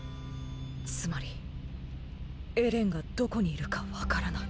つまりエレンがどこにいるかわからない。